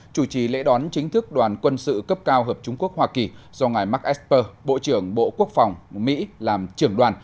chủ trì lễ đón chính thức đoàn quân sự cấp cao hợp trung quốc hoa kỳ do ngài mark esper bộ trưởng bộ quốc phòng mỹ làm trưởng đoàn